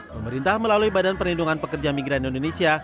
pemerintah melalui badan perlindungan pekerja migran indonesia